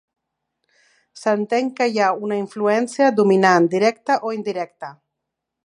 S'entén que hi ha una influència dominant, directa o indirecta.